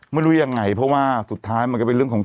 ไม่รู้ยังไงเพราะว่าสุดท้ายมันก็เป็นเรื่องของ